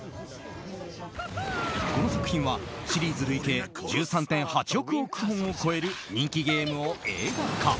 この作品はシリーズ累計１３．８億本を超える人気ゲームを映画化。